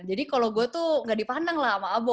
kalau gue tuh gak dipandang lah sama abo